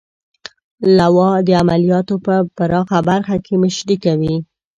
لوا د عملیاتو په پراخه برخه کې مشري کوي.